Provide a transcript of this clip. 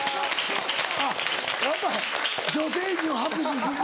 あっやっぱ女性陣は拍手するのか。